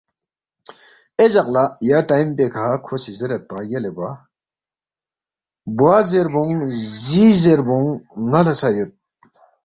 اے جق لہ یا ٹائم پیکھہ کھو سی زیریدپا، یلے بوا ، بوا زیربونگ زی زیربونگ ن٘ا لہ سہ یود